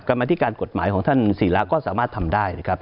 กรรมธิการกฎหมายของท่านศิลาก็สามารถทำได้นะครับ